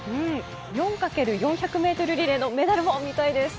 ４×４００ｍリレーのメダルも見たいです。